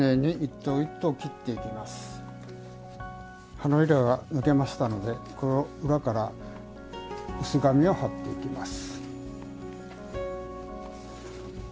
花びらが抜けましたのでこの裏から薄紙を貼っていきます。